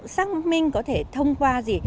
xác minh có thể thông qua gì